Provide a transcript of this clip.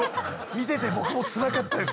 見てても僕もつらかったです